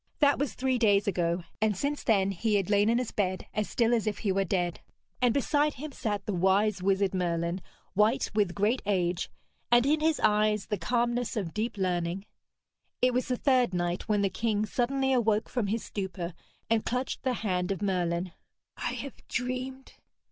That was three days ago, and since then he had lain in his bed as still as if he were dead; and beside him sat the wise wizard Merlin, white with great age, and in his eyes the calmness of deep learning. It was the third night when the king suddenly awoke from his stupor and clutched the hand of Merlin. 'I have dreamed!'